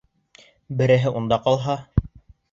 Береһе унда ҡалһа...